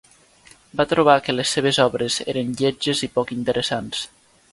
Va trobar que les seves obres eren "lletges i poc interessants".